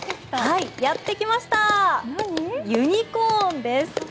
やってきましたユニコーンです。